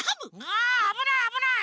ああぶないあぶない！